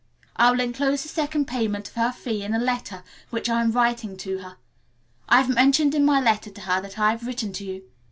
I will enclose the second payment of her fee in a letter which I am writing to her. I have mentioned in my letter to her that I have written to you.